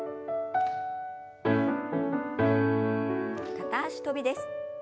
片脚跳びです。